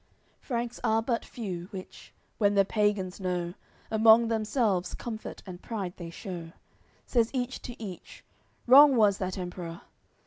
CXLV Franks are but few; which, when the pagans know, Among themselves comfort and pride they shew; Says each to each: "Wrong was that Emperor."